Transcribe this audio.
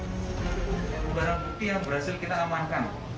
barang bukti yang berhasil kita amankan